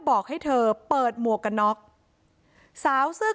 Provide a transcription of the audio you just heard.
โปรดติดตามต่อไป